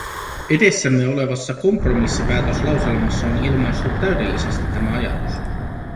Edessämme olevassa kompromissipäätöslauselmassa on ilmaistu täydellisesti tämä ajatus.